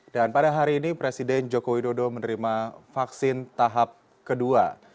dan pada hari ini presiden jokowi dodo menerima vaksin tahap kedua